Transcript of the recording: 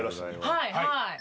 はいはい。